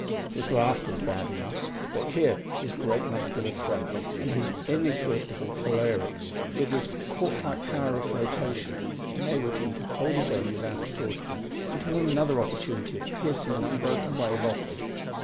This last was bad enough, but here his great muscular strength and his inexhaustible caloric, with his cork like power of flotation, enabled him to hold his own without exhaustion until another opportunity of piercing an unbroken wave offered.